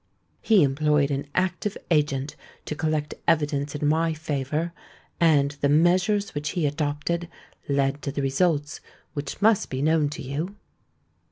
He employed an active agent to collect evidence in my favour; and the measures which he adopted led to the results which must be known to you."